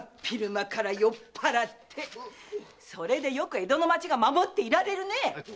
昼間から酔っぱらってそれでよく江戸の町が守っていられるね！